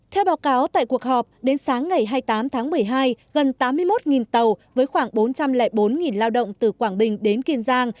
theo báo cáo tại cuộc họp đến sáng ngày hai mươi tám tháng một mươi hai gần tám mươi một tàu với khoảng bốn trăm linh bốn lao động từ quảng bình đến kiên giang